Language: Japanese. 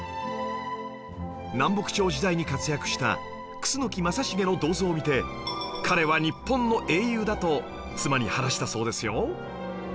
南北朝時代に活躍した楠木正成の銅像を見て「彼は日本の英雄だ！」と妻に話したそうですよ